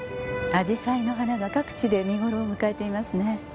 あじさいの花が各地で見頃を迎えていますね。